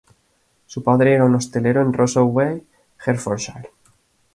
Su padre era un hostelero en Ross-on-Wye, Herefordshire.